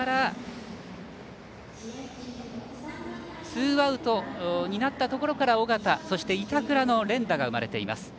ツーアウトになったところから緒方、板倉の連打が生まれています。